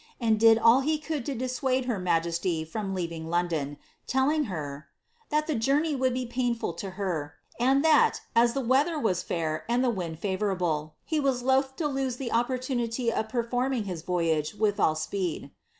ani did all he could to dissuade ber majesty from leaving London, lellinj her, " that the journey would be painful lo her, and thai, as the we.ilbci was fair, and win 1 favourable, he was loth to loose the opporlunity of perforiiung his voyage with all speed."